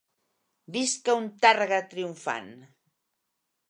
Visca un Tàrrega triomfant!